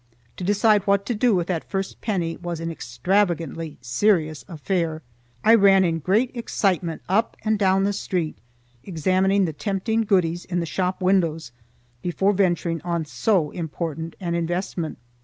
To decide what to do with that first penny was an extravagantly serious affair. I ran in great excitement up and down the street, examining the tempting goodies in the shop windows before venturing on so important an investment.